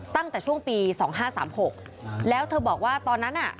ตั้งแต่ช่วงปี๒๕๓๖แล้วเธอบอกว่าตอนนั้นอ่ะ